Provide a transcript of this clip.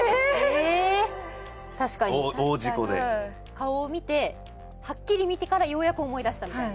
顔を見てはっきり見てからようやく思い出したみたいな。